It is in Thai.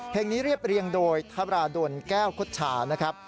เพลงนี้เรียบเรียงโดยธราดลแก้วคดชานะครับ